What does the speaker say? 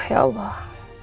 duh ya allah